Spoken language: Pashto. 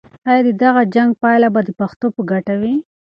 آیا د دغه جنګ پایله به د پښتنو په ګټه وي؟